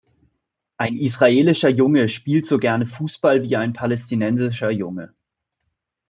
Ein israelischer Junge spielt so gerne Fußball wie ein palästinensischer Junge.